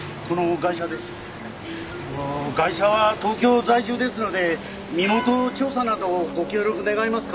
ガイシャは東京在住ですので身元調査などをご協力願えますか？